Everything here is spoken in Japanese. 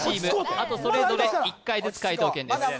あとそれぞれ１回ずつ解答権です